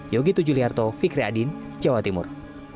yogi tujuliarto fikri adin jawa timur